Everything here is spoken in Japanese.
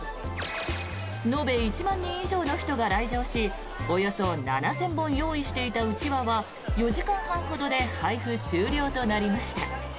延べ１万人以上の人が来場しおよそ７０００本用意していたうちわは４時間半ほどで配布終了となりました。